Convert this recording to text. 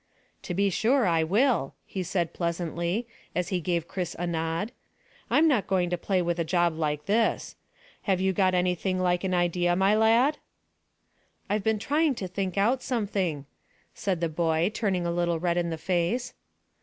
"To be sure I will," he said pleasantly, as he gave Chris a nod. "I'm not going to play with a job like this. Have you got anything like an idea, my lad?" "I've been trying to think out something," said the boy, turning a little red in the face.